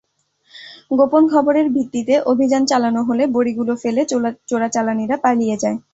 গোপন খবরের ভিত্তিতে অভিযান চালানো হলে বড়িগুলো ফেলে চোরাচালানিরা পালিয়ে যায়।